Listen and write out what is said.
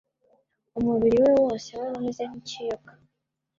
umubiri we wose wari umeze nk'ikiyoka